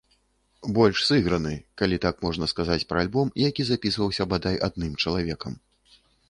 Больш сыграны, калі так можна сказаць пра альбом, які запісваўся бадай адным чалавекам.